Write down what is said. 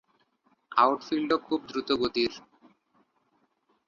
আউটফিল্ডও খুব দ্রুতগতির।